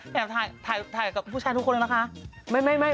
แอบถ่ายกับผู้ชายทุกคนเลยนะคะ